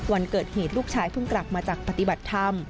วันเกิดเหตุลูกชายเพิ่งกลับมาจากปฏิบัติธรรม